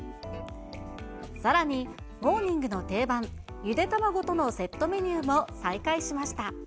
さらにモーニングの定番、ゆで卵とのセットメニューも再開しました。